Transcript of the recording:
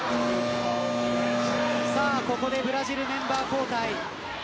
ここでブラジル、メンバー交代。